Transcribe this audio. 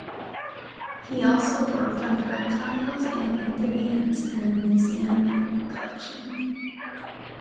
He also worked on the reptiles and amphibians in the museum collection.